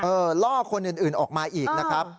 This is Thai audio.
ล่อคนอื่นออกมาอีกนะครับ